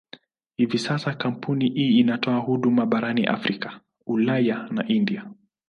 Hivi sasa kampuni hii inatoa huduma barani Afrika, Ulaya na India.